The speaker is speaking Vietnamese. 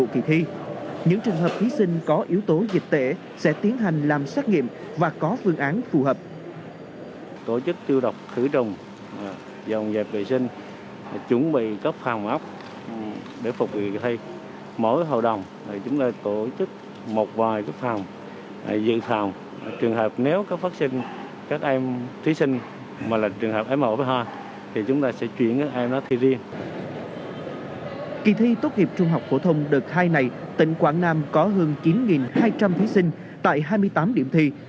kỳ thi tốt nghiệp trung học phổ thông đợt hai này tỉnh quảng nam có hơn chín hai trăm linh thí sinh tại hai mươi tám điểm thi